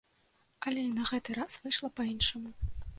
Але на гэты раз выйшла па-іншаму.